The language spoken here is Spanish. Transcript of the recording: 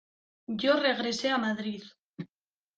Yo regresé a madrid.